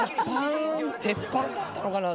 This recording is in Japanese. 鉄板だったのかな。